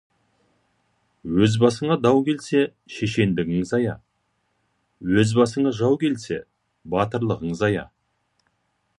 Өз басыңа дау келсе, шешендігің зая, өз басыңа жау келсе, батырлығың зая.